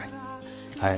はい。